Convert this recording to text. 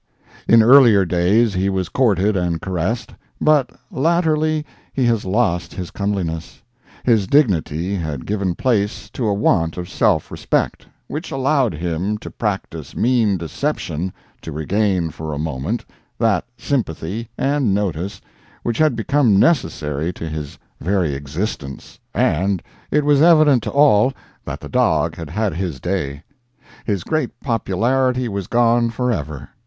In earlier days he was courted and caressed; but latterly he has lost his comeliness—his dignity had given place to a want of self respect, which allowed him to practice mean deceptions to regain for a moment that sympathy and notice which had become necessary to his very existence, and it was evident to all that the dog had had his day; his great popularity was gone forever.